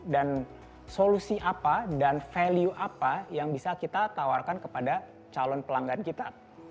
dan solusi apa dan value apa yang bisa kita tawarkan kepada calon pelanggan kita